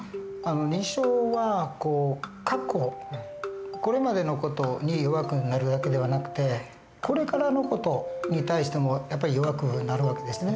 認知症は過去これまでの事に弱くなるだけではなくてこれからの事に対してもやっぱり弱くなる訳ですね。